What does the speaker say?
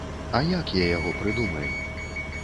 А як я яго прыдумаю?